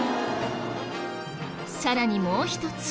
さらにもう一つ。